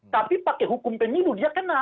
tapi pakai hukum pemilu dia kena